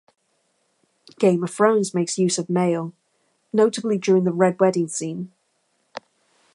Game of Thrones makes use of mail, notably during the "Red Wedding" scene.